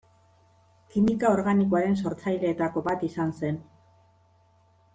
Kimika organikoaren sortzaileetako bat izan zen.